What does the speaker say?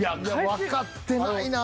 わかってないな。